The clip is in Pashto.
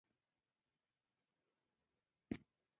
مچمچۍ په شنو باغونو کې ډېره لیدل کېږي